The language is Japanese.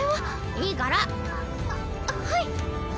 いいから！ははい。